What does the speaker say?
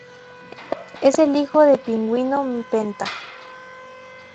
Es el hijo del pingüino Penta.